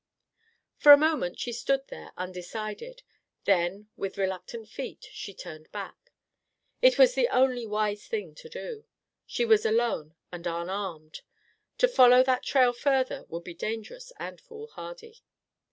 For a moment she stood there undecided; then, with reluctant feet, she turned back. It was the only wise thing to do. She was alone and unarmed. To follow that trail further would be dangerous and foolhardy.